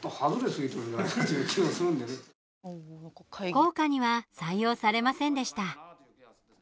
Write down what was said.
校歌には採用されませんでした。